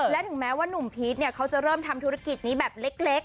และถึงแม้ว่านุ่มพีชเนี่ยเขาจะเริ่มทำธุรกิจนี้แบบเล็ก